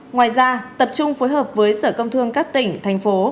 ngoài ra tập trung phối hợp với sở công thương các tỉnh thành phố